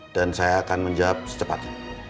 dan saya akan menjawab secepatnya